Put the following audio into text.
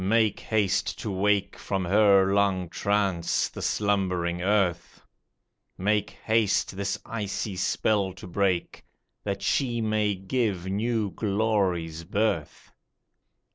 make haste to wake From her long trance the slumbering earth ; Make haste this icy spell to break, That she may give new glories birth